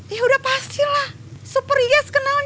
ya udah pasti lah super yes kenalnya kan